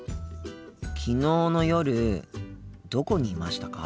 昨日の夜どこにいましたか？